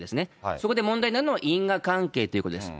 そこで問題になるのは、因果関係ということです。